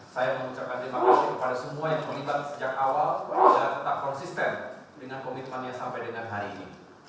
saya mengucapkan terima kasih kepada semua yang terlibat sejak awal bahwa saya tetap konsisten dengan komitmennya sampai dengan hari ini